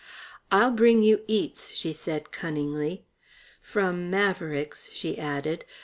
"I'll bring you eats," she said cunningly. "From Maverick's," she added.